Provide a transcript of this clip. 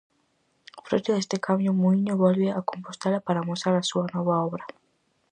Froito deste cambio Muíño volve a Compostela para amosar a súa nova obra.